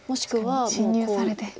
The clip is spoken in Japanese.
確かに侵入されて。